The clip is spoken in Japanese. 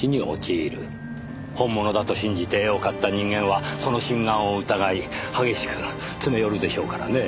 本物だと信じて絵を買った人間はその真贋を疑い激しく詰め寄るでしょうからね。